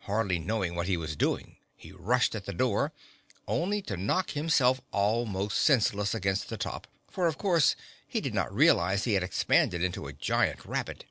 Hardly knowing what he was doing he rushed at the door only to knock himself almost senseless against the top, for of course he did not realize he had expanded into a giant rabbit.